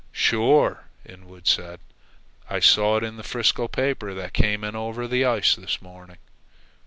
'Sure," Inwood said. "I saw it in the 'Frisco paper that came in over the ice this morning."